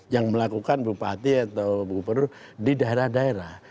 yang melakukan bupati atau gubernur di daerah daerah